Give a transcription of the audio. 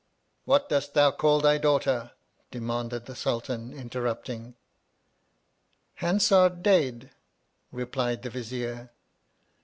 What dost thou call thy daughter 1 demanded , the Sultan, interrupting. Hansardadade, re ; plied the Vizier.